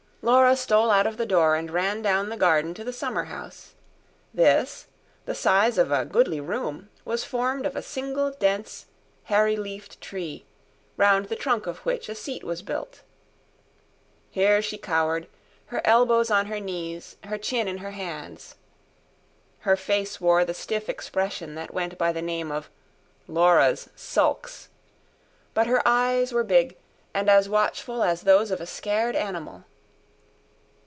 Laura stole out of the door and ran down the garden to the summer house. This, the size of a goodly room, was formed of a single dense, hairy leafed tree, round the trunk of which a seat was built. Here she cowered, her elbows on her knees, her chin in her hands. Her face wore the stiff expression that went by the name of "Laura's sulks," but her eyes were big, and as watchful as those of a scared animal.